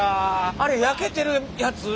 あれ焼けてるやつ？